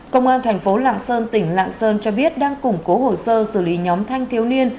công an thành phố lạng sơn tỉnh lạng sơn cho biết đang củng cố hồ sơ xử lý nhóm thanh thiếu niên